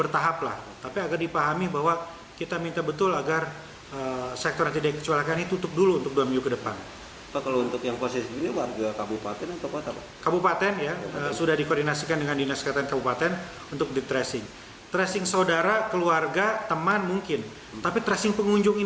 tapi tracing pengunjung ini yang mengerikan dari pasar